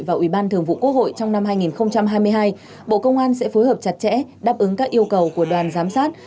và ủy ban thường vụ quốc hội trong năm hai nghìn hai mươi hai bộ công an sẽ phối hợp chặt chẽ đáp ứng các yêu cầu của đoàn giám sát